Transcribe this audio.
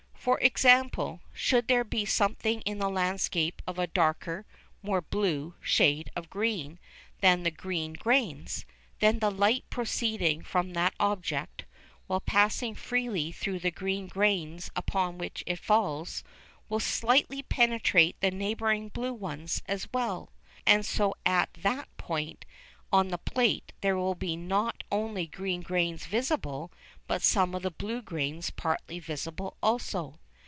For example, should there be something in the landscape of a darker, more blue, shade of green than the green grains, then the light proceeding from that object, while passing freely through the green grains upon which it falls, will slightly penetrate the neighbouring blue ones as well, and so at that point on the plate there will be not only green grains visible, but some of the blue grains partly visible also.